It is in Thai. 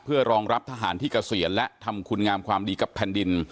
เพื่อรองรับทหารที่เกษียณและทำคุณงามความดีกับแผ่นดิน